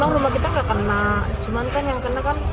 memang rumah kita